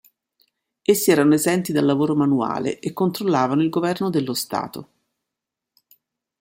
Essi erano esenti dal lavoro manuale, e controllavano il governo dello Stato.